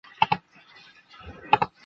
这所公立大学的主校园位于莫卡区。